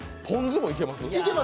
ぽん酢もいけます？